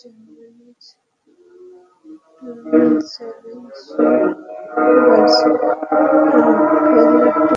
জার্মানির chancellor Angela ম্যার্কেলের সঙ্গে টেলিফোন আলাপচারিতায় পুতিন এমন মন্তব্য করেছেন।